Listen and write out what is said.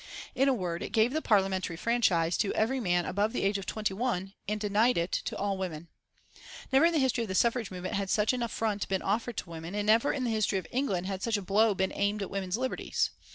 In a word, it gave the Parliamentary franchise to every man above the age of twenty one and it denied it to all women. Never in the history of the suffrage movement had such an affront been offered to women, and never in the history of England had such a blow been aimed at women's liberties.